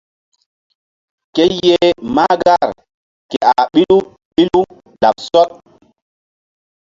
Ke yeh mahgar ke a ɓilu ɓilu laɓ sɔɗ.